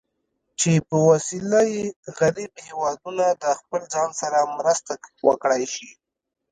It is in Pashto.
چې په وسیله یې غریب هېوادونه د خپل ځان سره مرسته وکړای شي.